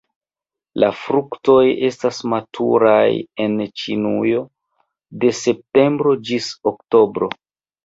La fruktoj estas maturaj en Ĉinujo de septembro ĝis oktobro.